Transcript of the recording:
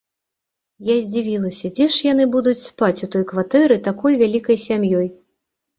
Я здзівілася, дзе ж яны будуць спаць у той кватэры такой вялікай сям'ёй?